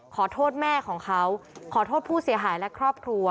ขอโทษแม่ของเขาขอโทษผู้เสียหายและครอบครัว